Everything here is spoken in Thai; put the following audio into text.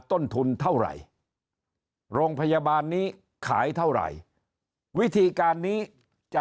ต้นทุนเท่าไหร่โรงพยาบาลนี้ขายเท่าไหร่วิธีการนี้จะ